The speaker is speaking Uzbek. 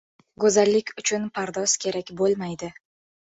• Go‘zallik uchun pardoz kerak bo‘lmaydi.